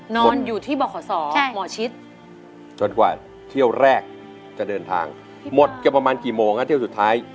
นอนอยู่ที่บขศหมอชิดจนกว่าเที่ยวแรกจะเดินทางหมดเกือบประมาณกี่โมงฮะเที่ยวสุดท้าย